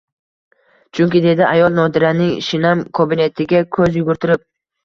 Chunki, dedi ayol Nodiraning shinam kabinetiga ko`z yugurtirib